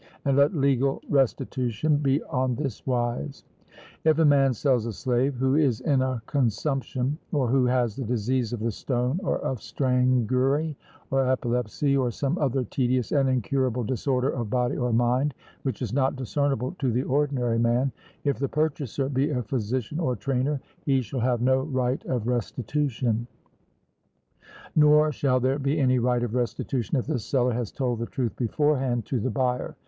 And let legal restitution be on this wise: If a man sells a slave who is in a consumption, or who has the disease of the stone, or of strangury, or epilepsy, or some other tedious and incurable disorder of body or mind, which is not discernible to the ordinary man, if the purchaser be a physician or trainer, he shall have no right of restitution; nor shall there be any right of restitution if the seller has told the truth beforehand to the buyer.